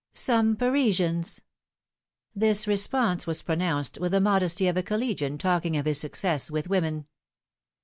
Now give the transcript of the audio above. Some Parisians ! This response was pronounced with the modesty of a collegian talking of his success with women.